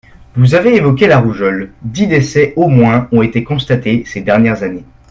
Vous avez évoqué la rougeole ; dix décès au moins ont été constatés ces dernières années.